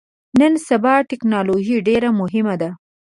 نن سبا ټکنالوژي ډیره مهمه ده